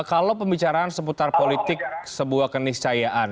kalau pembicaraan seputar politik sebuah keniscayaan